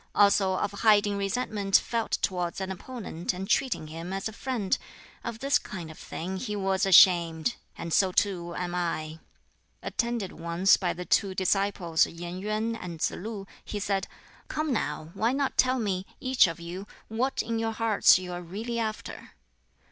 Also of hiding resentment felt towards an opponent and treating him as a friend of this kind of thing he was ashamed, and so too am I." Attended once by the two disciples Yen Yuen and Tsz lu, he said, "Come now, why not tell me, each of you, what in your hearts you are really after?"